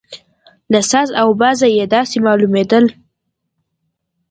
له ساز او بازه یې داسې معلومېدل.